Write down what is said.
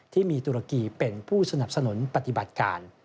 ที่มีตุรกีเป็นผู้สนับสนุนปฏิบัติการ